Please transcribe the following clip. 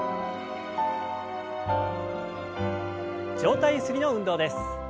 上体ゆすりの運動です。